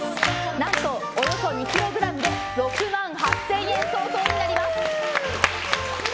何とおよそ２ｋｇで６万８０００円相当になります。